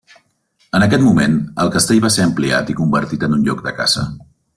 En aquest moment, el castell va ser ampliat i convertit en un lloc de caça.